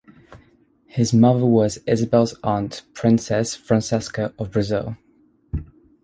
His mother was Isabel's aunt Princess Francisca of Brazil.